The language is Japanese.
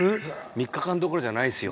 ３日間どころじゃないですよ